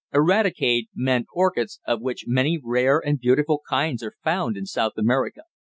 Eradicate meant orchids, of which many rare and beautiful kinds are found in South America.